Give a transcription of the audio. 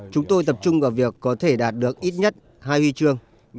chúng tôi tập trung vào việc có thể đạt được ít nhất hai huy chương